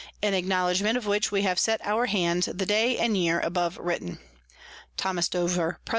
In acknowledgment of which we have set our Hands the Day and Year above written. Tho. Dover, _Pres.